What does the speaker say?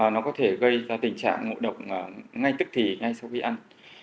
nó có thể gây ra tình trạng ngộ độc ngay tức thì ngay sau khi ăn